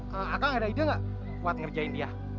kakak ada ide gak buat ngerjain dia